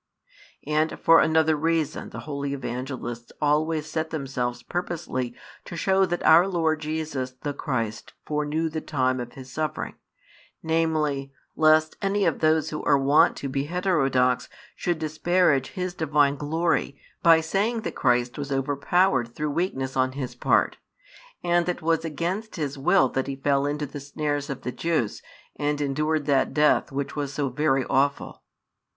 And for another reason the holy Evangelists always set themselves purposely to shew that our Lord Jesus the Christ foreknew the time of His suffering, namely, lest any of those who are wont to be heterodox should disparage His Divine glory by saying that Christ was overpowered through weakness on His part, and that it was against His will that He fell into the snares of the Jews and endured that death which was so very aweful.